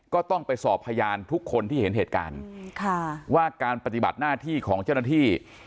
ก็ต้องไปสอบพยานทุกคนที่เห็นเหตุการณ์ว่าการปฏิบัติหน้าที่ของเจ้าหน้าที่